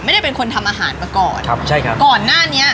ไม่ได้เป็นคนทำอาหารมาก่อนครับใช่ครับก่อนหน้านี้